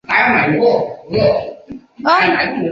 印度是世界上人口最多的民主国家。